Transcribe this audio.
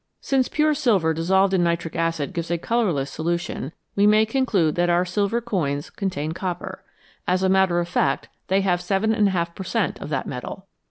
Since pure silver dissolved in nitric acid gives a colourless solution, we may conclude that our silver coins contain copper ; as a matter of fact, they have 7^ per cent, of that metal.